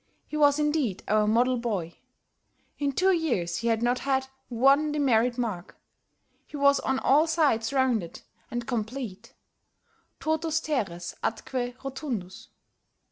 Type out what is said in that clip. He was indeed our model boy. In two years he had not had one demerit mark. He was on all sides rounded and complete totus teres atque rotundus.